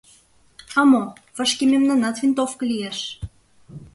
— А мо, вашке мемнанат винтовка лиеш!